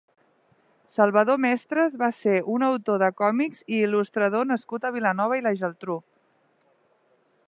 Salvador Mestres va ser un autor de còmics i il·lustrador nascut a Vilanova i la Geltrú.